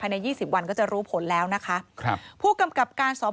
โปรดติดตามต่างกรรมโปรดติดตามต่างกรรม